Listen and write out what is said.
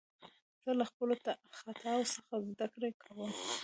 زه له خپلو خطاوو څخه زدکړه کوم.